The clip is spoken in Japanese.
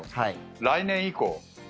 来年以降。